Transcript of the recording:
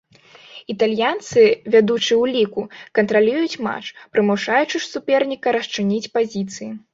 Італьянцы, вядучы ў ліку, кантралююць матч, прымушаючы суперніка расчыняць пазіцыі.